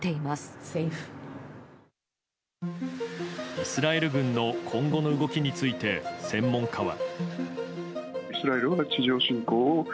イスラエル軍の今後の動きについて専門家は。